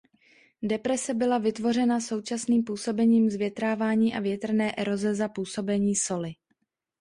Deprese byla vytvořena současným působením zvětrávání a větrné eroze za působení soli.